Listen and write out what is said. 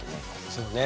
そうね。